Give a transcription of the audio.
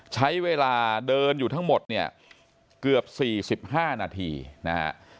ใช้เวลาเดินอยู่ทั้งหมดเนี่ยเกือบ๔๕นาทีนะฮะ